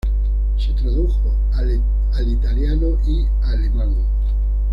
Se tradujo al italiano y alemán.